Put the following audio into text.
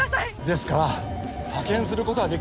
ですから派遣することはできません。